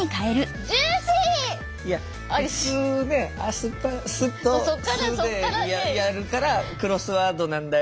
いや普通ね「ス」と「ス」でやるからクロスワードなんだよ。